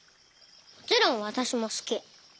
もちろんわたしもすき。